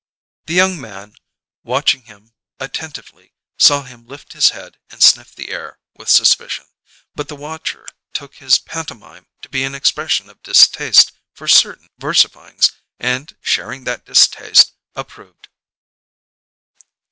The young man, watching him attentively, saw him lift his head and sniff the air with suspicion, but the watcher took this pantomime to be an expression of distaste for certain versifyings, and sharing that distaste, approved.